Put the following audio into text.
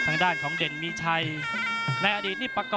นักมวยจอมคำหวังเว่เลยนะครับ